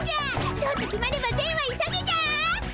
そうと決まれば善は急げじゃ！